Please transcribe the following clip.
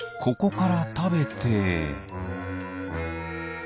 ここからたべて。